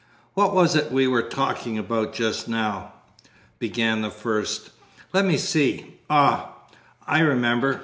"What was it we were talking about just now?" began the first. "Let me see. Ah! I remember.